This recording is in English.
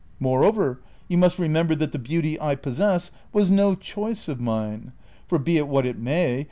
More over, you must remember that the beauty I possess Avas no choice of mine, for be it what it may.